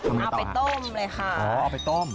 เอาไปต้มเลยค่ะอ๋อเอาไปต้ม